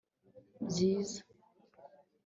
byiza